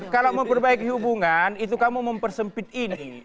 kalau memperbaiki hubungan itu kamu mempersempit ini